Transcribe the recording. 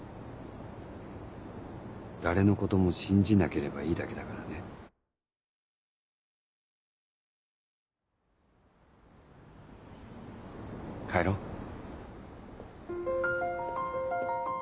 誰のことも信じなければいいだけだからね。帰ろう。